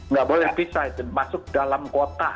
nggak boleh dipisah masuk dalam kota